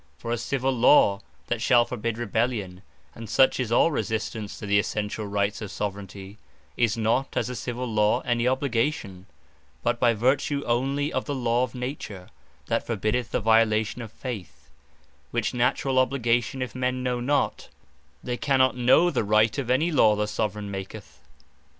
For a Civill Law, that shall forbid Rebellion, (and such is all resistance to the essentiall Rights of Soveraignty,) is not (as a Civill Law) any obligation, but by vertue onely of the Law of Nature, that forbiddeth the violation of Faith; which naturall obligation if men know not, they cannot know the Right of any Law the Soveraign maketh.